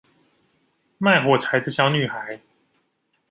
賣火柴的小女孩